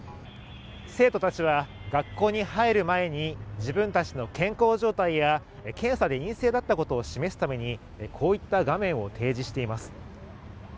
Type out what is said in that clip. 生徒たちは学校に入る前に自分たちの健康状態や検査で陰性だったことを示すためにこういった画面を提示しています